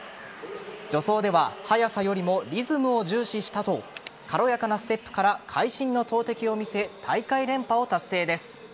助走では速さよりもリズムを重視したと軽やかなステップから会心の投てきを見せ大会連覇を達成です。